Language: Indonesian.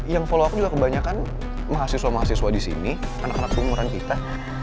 yang follow aku juga kebanyakan mahasiswa mahasiswa di sini anak anak umuran kita